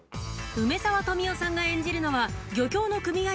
梅沢富美男さんが演じるのは漁協の組合